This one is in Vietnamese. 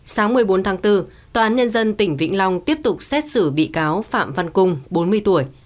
sáng một mươi bốn tháng bốn tòa án nhân dân tỉnh vĩnh long tiếp tục xét xử bị cáo phạm văn cung bốn mươi tuổi